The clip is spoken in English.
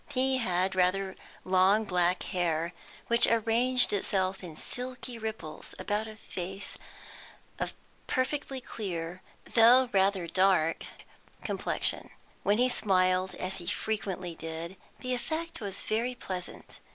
He had rather long black hair, which arranged itself in silky ripples about a face of perfectly clear, though rather dark, complexion. When he smiled, as he frequently did, the effect was very pleasant.